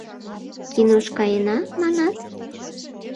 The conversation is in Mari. — Кинош каена, манат?